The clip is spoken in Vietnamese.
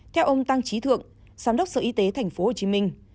theo ông tăng trí thượng sám đốc sở y tế thành phố hồ chí minh